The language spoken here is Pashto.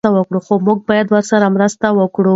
خو موږ باید ورسره مرسته وکړو.